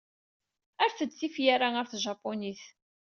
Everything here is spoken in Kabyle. Rret-d tifyar-a ɣer tjapunit.